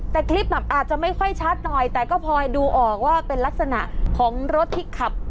แต่คลิปแบบอาจจะไม่ค่อยชัดหน่อยแต่ก็พลอยดูออกว่าเป็นลักษณะของรถที่ขับ